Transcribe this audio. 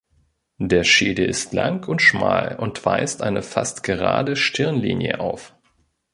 Der Schädel ist lang und schmal und weist eine fast gerade Stirnlinie auf.